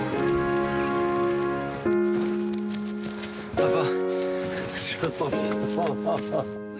パパ。